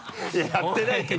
やってないけど。